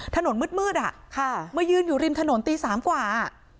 ถนนมืดอ่ะค่ะมายืนอยู่ริมถนนตี๓กว่า